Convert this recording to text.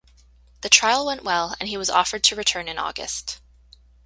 The trial went well and he was offered to return in August.